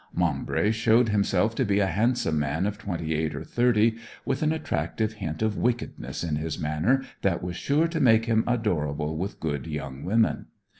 Maumbry showed himself to be a handsome man of twenty eight or thirty, with an attractive hint of wickedness in his manner that was sure to make him adorable with good young women.